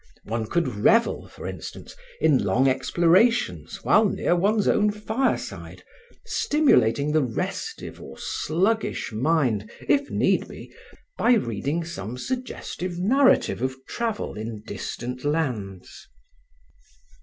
One could revel, for instance, in long explorations while near one's own fireside, stimulating the restive or sluggish mind, if need be, by reading some suggestive narrative of travel in distant lands.